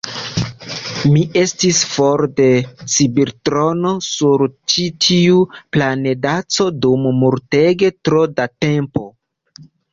Mi estis for de Cibertrono sur ĉi tiu planedaĉo dum multege tro da tempo!